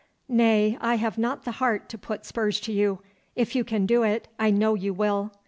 Nay, I have not the heart to put spurs to you. If you can do it, I know you will.